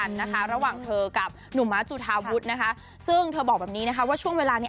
นะคะระหว่างเธอกับหนุ่มม้าจุธาวุฒินะคะซึ่งเธอบอกแบบนี้นะคะว่าช่วงเวลานี้